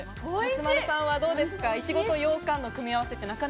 松丸さん、どうですか？